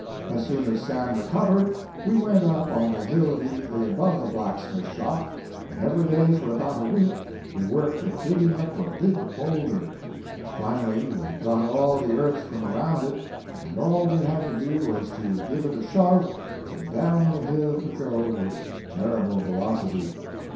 As soon as Sam recovered we went up on the hill immediately above the blacksmith shop, and every day for about a week we worked at digging up a big boulder. Finally we got all the earth from around it, and all we had to do was to give it a shove, and down the hill it would go with terrible velocity.